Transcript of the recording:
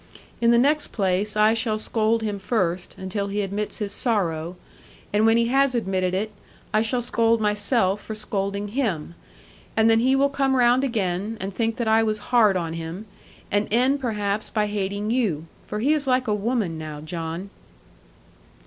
In the next place I shall scold him first, until he admits his sorrow; and when he has admitted it, I shall scold myself for scolding him. And then he will come round again, and think that I was hard on him; and end perhaps by hating you for he is like a woman now, John.'